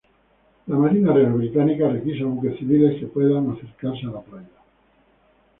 La Marina Real británica requisa buques civiles que puedan acercarse a la playa.